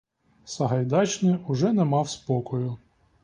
Сагайдачний уже не мав спокою.